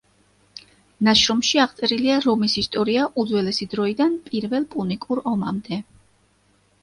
ნაშრომში აღწერილია რომის ისტორია უძველესი დროიდან პირველ პუნიკურ ომამდე.